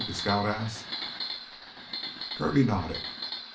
the scout asked. Kirby nodded.